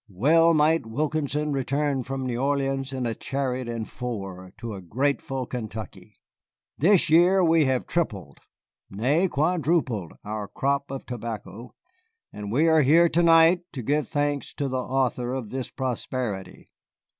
Well might Wilkinson return from New Orleans in a chariot and four to a grateful Kentucky! This year we have tripled, nay, quadrupled, our crop of tobacco, and we are here to night to give thanks to the author of this prosperity."